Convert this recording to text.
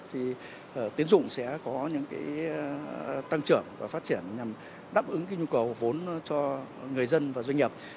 thì tiến dụng sẽ có những tăng trưởng và phát triển nhằm đáp ứng cái nhu cầu vốn cho người dân và doanh nghiệp